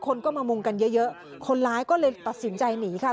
คนก็มามุงกันเยอะเยอะคนร้ายก็เลยตัดสินใจหนีค่ะ